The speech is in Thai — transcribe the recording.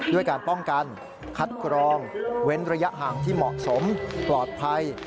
ด้วยการป้องกันคัดกรองเว้นระยะห่างที่เหมาะสมปลอดภัย